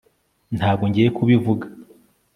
ntabwo ngiye kubivuga